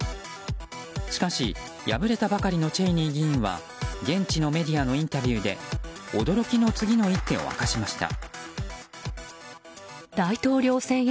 しかし、敗れたばかりのチェイニー議員は現地のメディアのインタビューで驚きの次の一手を明かしました。